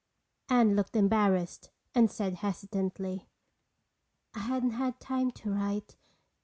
Anne looked embarrassed and said hesitantly: "I hadn't had time to write.